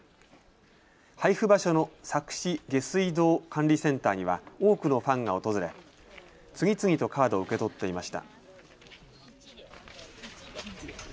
配布場所の佐久市下水道管理センターには多くのファンが訪れ次々とカードを受け取っていました。